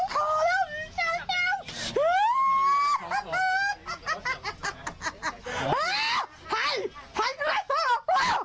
พร้อมหมอป้า